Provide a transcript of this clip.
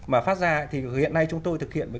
mà phát ra thì hiện nay chúng tôi thực hiện với